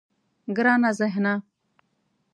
گرانه ذهنه.